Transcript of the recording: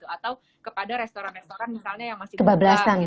atau kepada restoran restoran misalnya yang masih muda